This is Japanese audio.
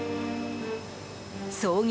創業